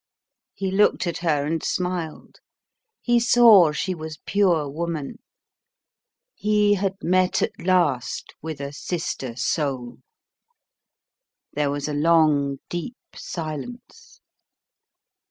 He looked at her and smiled. He saw she was pure woman. He had met at last with a sister soul. There was a long, deep silence.